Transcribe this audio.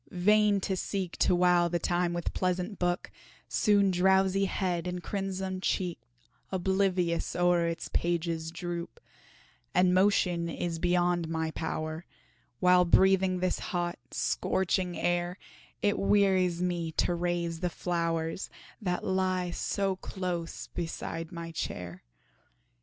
vain to seek To while the time with pleasant book, Soon drowsy head and crimsoned cheek Oblivious o'er its pages droop And motion is beyond my power, While breathing this hot, scorching air, It wearies me to raise the flowers, That lie so close beside my chair.